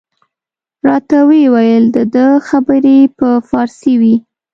راته ویې ویل د ده خبرې په فارسي وې.